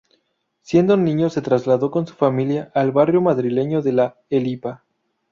Siendo niño se trasladó con su familia al barrio madrileño de La Elipa.